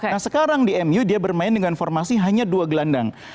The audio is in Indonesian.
nah sekarang di mu dia bermain dengan formasi hanya dua gelandang